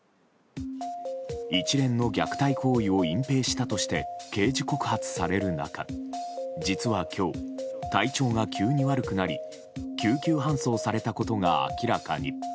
一連の虐待行為を隠ぺいしたとして刑事告発される中実は今日、体調が急に悪くなり救急搬送されたことが明らかに。